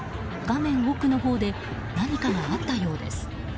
画面奥のほうで何かがあったようです。